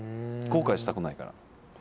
後悔したくないから。